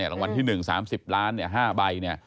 รังวัลที่๑สามสิบล้านห้านาที